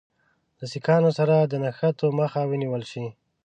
له سیکهانو سره د نښتو مخه ونیوله شي.